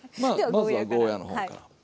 まずはゴーヤーの方から。